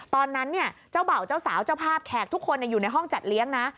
ตอนนั้นเนี่ยเจ้าบ่าวเจ้าสาวเจ้าภาพแขกทุกคนอยู่ในห้องจัดเลี้ยงนะ